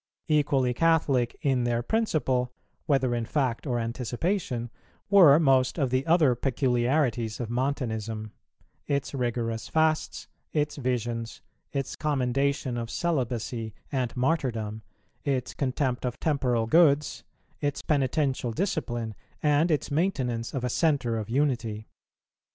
Equally Catholic in their principle, whether in fact or anticipation, were most of the other peculiarities of Montanism: its rigorous fasts, its visions, its commendation of celibacy and martyrdom, its contempt of temporal goods, its penitential discipline, and its maintenance of a centre of unity.